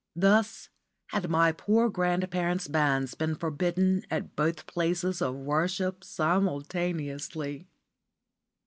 Thus had my poor grandparent's banns been forbidden at both places of worship simultaneously.